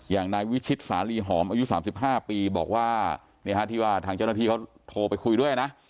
อย่างนายวิชิตสาลีหอมอายุ๓๕ปีบอกว่าที่ว่าทางเจ้าหน้าที่เขาโทรไปคุยด้วยนะ